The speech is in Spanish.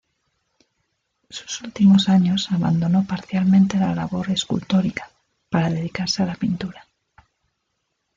Sus últimos años abandonó parcialmente la labor escultórica, para dedicarse a la pintura.